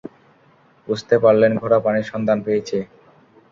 বুঝতে পারলেন ঘোড়া পানির সন্ধান পেয়েছে।